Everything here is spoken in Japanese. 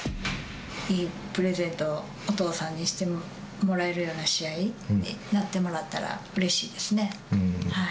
いいプレゼントをお父さんにしてもらえるような試合になってもらったらうれしいですね。